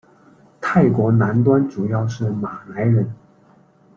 泰国南端主要是马来人。